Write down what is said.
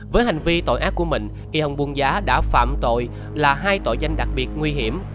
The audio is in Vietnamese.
với hành vi tội ác của mình y hồng buông giá đã phạm tội là hai tội danh đặc biệt nguy hiểm